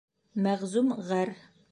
Мәғзүм ғәр.